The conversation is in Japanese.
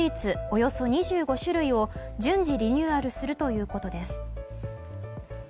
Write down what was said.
およそ２５種類を順次リニューアルするということです。